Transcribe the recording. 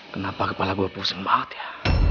kenapa kepala gue posong banget ya